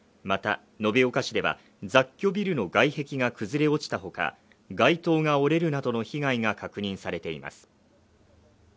また、延岡市では雑居ビルの外壁が崩れ落ちたほか、街灯が折れるなどの被害が確認されています。